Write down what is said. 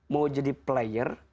mau jadi pemain